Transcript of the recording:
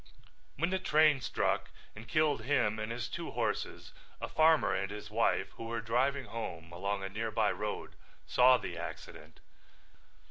When the train struck and killed him and his two horses a farmer and his wife who were driving home along a nearby road saw the accident.